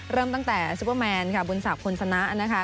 เริ่มตั้งแต่ซุปเปอร์แมนค่ะบุญศักดิ์คนสนะนะคะ